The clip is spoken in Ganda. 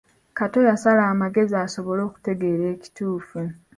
Kato yasala amagezi asobole okutegeera ekituufu.